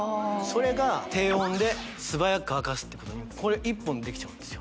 それが低温で素早く乾かすってことこれ一本でできちゃうんですよ